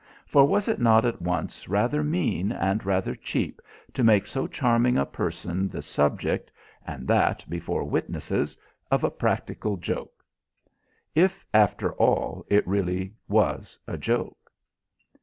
For was it not at once rather mean and rather cheap to make so charming a person the subject, and that before witnesses, of a practical joke? If, after all, it really was a joke.